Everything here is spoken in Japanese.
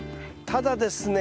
ただですね